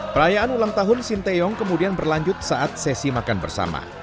perayaan ulang tahun sinteyong kemudian berlanjut saat sesi makan bersama